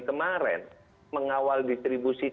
kemarin mengawal distribusi